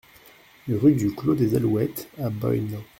Rue du Clos des Alouettes à Boynes